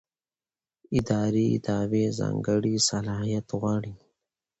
اداري دعوې ځانګړی صلاحیت غواړي.